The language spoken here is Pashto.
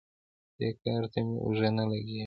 دې کار ته مې اوږه نه لګېږي.